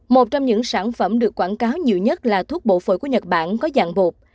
một trong những sản phẩm được quảng cáo nhiều nhất là thuốc bổ phổi của nhật bản có dạng bột